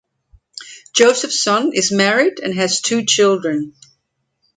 Josephson is married and has two children.